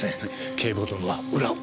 警部補殿は裏を。